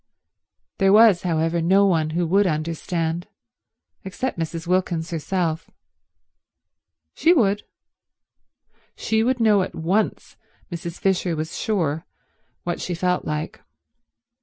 There was, however, no one who would understand except Mrs. Wilkins herself. She would. She would know at once, Mrs. Fisher was sure, what she felt like.